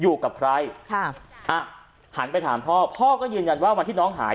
อยู่กับใครค่ะอ่ะหันไปถามพ่อพ่อก็ยืนยันว่าวันที่น้องหาย